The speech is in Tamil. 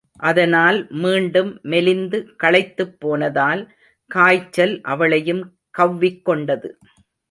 அதனால் மீண்டும் மெலிந்து களைத்துப் போனதால், காய்ச்சல் அவளையும் கவ்விக் கொண்டது.